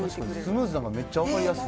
スムーズなのがめっちゃ分かりやすい。